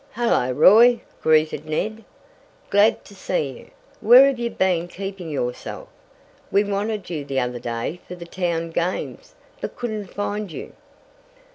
"Hello, Roy!" greeted Ned. "Glad to see you. Where have you been keeping yourself? We wanted you the other day for the town games, but couldn't find you."